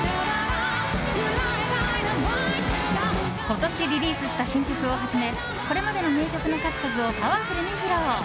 今年リリースした新曲をはじめこれまでの名曲の数々をパワフルに披露。